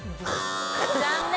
残念。